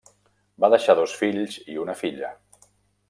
Va deixar dos fills i una filla.